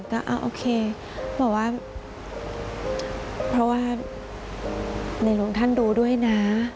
ก็โอเคบอกว่าเพราะว่าในหลวงท่านดูด้วยนะ